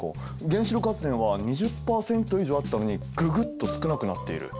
原子力発電は２０％以上あったのにググッと少なくなっている。